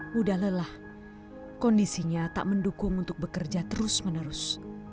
mudah lelah kondisinya tak mendukung untuk bekerja terus menerus